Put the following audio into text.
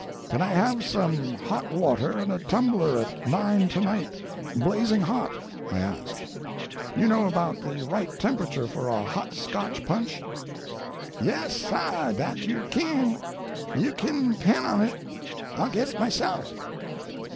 "Can I have some hot water and a tumbler at nine to night blazing hot?" I asked. "You know about the right temperature for a hot Scotch punch?" "Yes, sah, dat you kin; you kin pen on it; I'll get it myself."